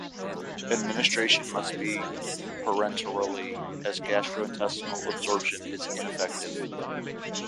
Administration must be parenterally, as gastro-intestinal absorption is ineffective.